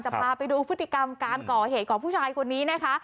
พาไปดูพฤติกรรมการก่อเหตุของผู้ชายคนนี้นะคะ